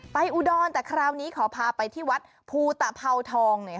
อุดรแต่คราวนี้ขอพาไปที่วัดภูตภาวทองหน่อย